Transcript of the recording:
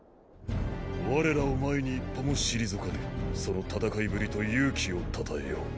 我らを前に一歩も退かぬその戦いぶりと勇気をたたえよう。